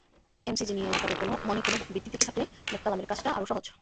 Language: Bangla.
এমসিজি নিয়ে তাঁদের মনে কোনো ভীতি থেকে থাকলে ম্যাককালামের কাজটা আরও সহজ।